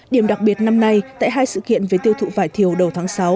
điểm đặc biệt năm nay tại hai sự kiện về tiêu thụ vải thiều đầu tháng sáu